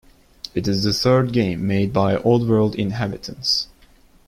It is the third game made by Oddworld Inhabitants.